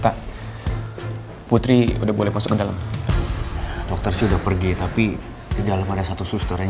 tak putri udah boleh masuk dalam dokter sudah pergi tapi tidak ada satu suster yang